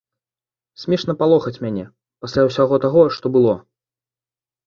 Смешна палохаць мяне, пасля ўсяго таго, што было.